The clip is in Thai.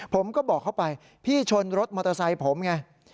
ผมก็บอกเขาไปพี่ชนรถมอเตอร์ไซค์ผมไง